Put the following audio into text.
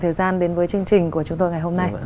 thời gian đến với chương trình của chúng tôi ngày hôm nay